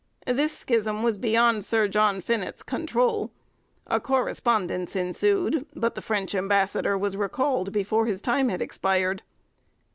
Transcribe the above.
This schism was beyond Sir John Finett's controul; a correspondence ensued, but the French ambassador was recalled before his time had expired.